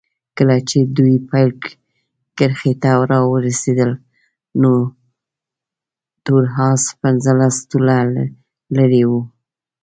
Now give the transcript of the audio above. کله چې دوی پیل کرښې ته راورسېدل نو تور اس پنځلس طوله لرې وو.